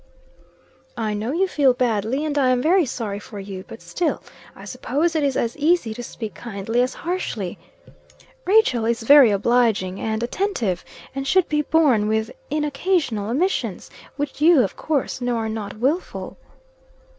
"I know you feel badly, and I am very sorry for you. But still, I suppose it is as easy to speak kindly as harshly. Rachel is very obliging and attentive, and should be borne with in occasional omissions, which you of course know are not wilful."